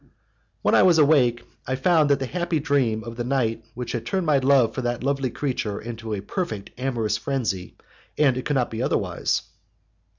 When I was awake I found that the happy dream of the night had turned my love for the lovely creature into a perfect amorous frenzy, and it could not be other wise.